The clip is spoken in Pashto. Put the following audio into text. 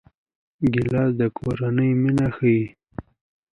ګیلاس د کورنۍ مینه ښيي.